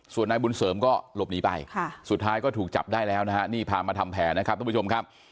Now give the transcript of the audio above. ส่วนนายบุญเสริมก็หลบหนีไปสุดท้ายก็ถูกจับได้แล้วนะฮะนี่พามาทำแผนนะครับทุกผู้ชมครับ